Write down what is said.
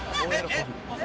えっ？